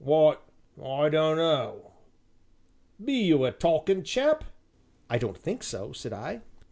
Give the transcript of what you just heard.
"W'y I dunno be you a talkin' chap?" "I don't think so," said I.